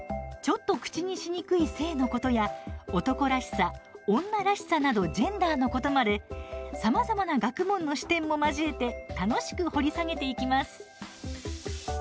ちょっと口にしにくい性のことや男らしさ、女らしさなどジェンダーのことまでさまざまな学問の視点も交えて楽しく掘り下げていきます。